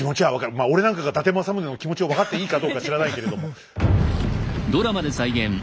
まあ俺なんかが伊達政宗の気持ちを分かっていいかどうか知らないけれども。